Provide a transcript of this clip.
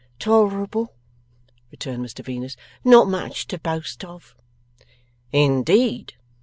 'Tolerable,' returned Mr Venus. 'Not much to boast of.' 'In deed!